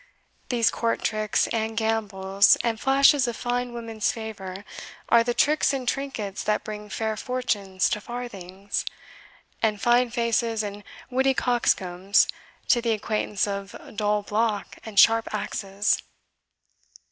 These court tricks, and gambols, and flashes of fine women's favour are the tricks and trinkets that bring fair fortunes to farthings, and fine faces and witty coxcombs to the acquaintance of dull block and sharp axes."